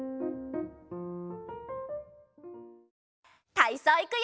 たいそういくよ！